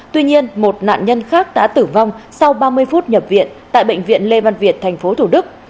tuy nhiên một nạn nhân khác đã tử vong sau ba mươi phút nhập viện tại bệnh viện lê văn việt tp thủ đức